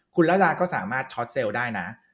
คุณระดาก็สามารถช็อตเซลล์ได้นะ